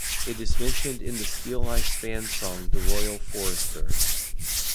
It is mentioned in the Steeleye Span song "The Royal Forester".